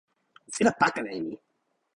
sina pakala e mi.